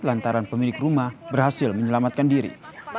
lantaran pemilik rumah berhasil menyelamatkan diri